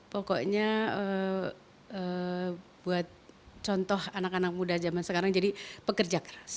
pokoknya buat contoh anak anak muda zaman sekarang jadi pekerja keras